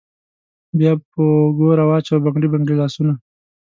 بیا په اوږو راوچوه بنګړي بنګړي لاسونه